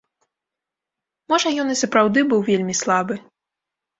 Можа ён і сапраўды быў вельмі слабы.